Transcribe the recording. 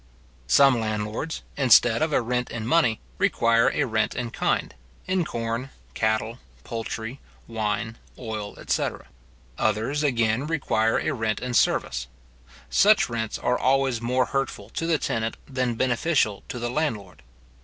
Some landlords, instead of a rent in money, require a rent in kind, in corn, cattle, poultry, wine, oil, etc.; others, again, require a rent in service. Such rents are always more hurtful to the tenant than beneficial to the landlord.